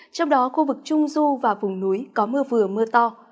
trong đó khu vực trung du và vùng núi có mưa vừa mưa to